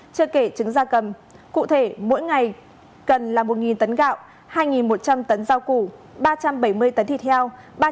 chưa kể trứng gia cầm cụ thể mỗi ngày cần là một tấn gạo hai một trăm linh tấn rau củ ba trăm bảy mươi tấn thịt heo